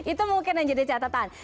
itu mungkin yang jadi catatan